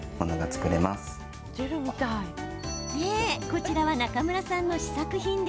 こちらは中村さんの試作品。